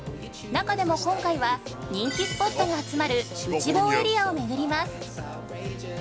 中でも今回は人気スポットが集まる内房エリアを巡ります